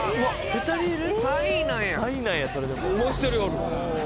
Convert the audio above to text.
２人いる。